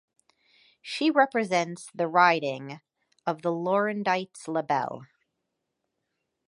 She represents the riding of Laurentides-Labelle.